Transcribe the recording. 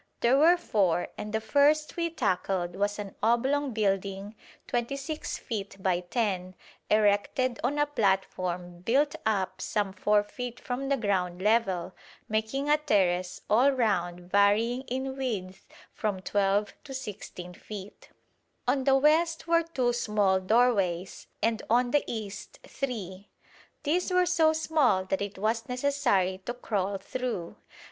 There were four, and the first we tackled was an oblong building, 26 feet by 10, erected on a platform built up some 4 feet from the ground level, making a terrace all round varying in width from 12 to 16 feet. On the west were two small doorways, and on the east three. These were so small that it was necessary to crawl through.